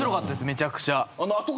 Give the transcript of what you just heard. めちゃくちゃ。